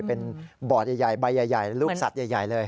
เป็นบอร์ดใหญ่ใบใหญ่รูปสัตว์ใหญ่เลย